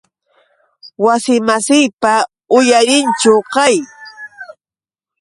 Wasimasiyqa uyarikunchu qay.